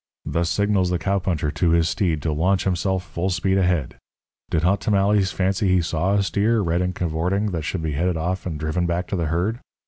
Thus signals the cowpuncher to his steed to launch himself full speed ahead. Did Hot Tamales fancy he saw a steer, red and cavorting, that should be headed off and driven back to the herd?